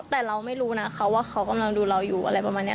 แต่เราไม่รู้นะเขาว่าเขากำลังดูเราอยู่อะไรประมาณนี้